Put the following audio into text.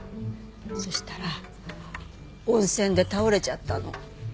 そしたら温泉で倒れちゃったの。